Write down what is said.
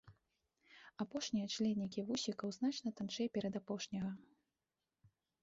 Апошнія членікі вусікаў значна танчэй перадапошняга.